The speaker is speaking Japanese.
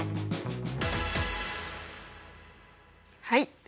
はい。